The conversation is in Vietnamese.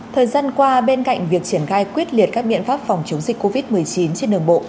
thời gian qua bên cạnh việc triển khai quyết liệt các biện pháp phòng chống dịch covid một mươi chín trên đường bộ